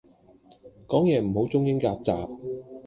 講野唔好中英夾雜